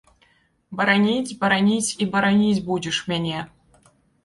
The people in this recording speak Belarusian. Бараніць, бараніць і бараніць будзеш мяне.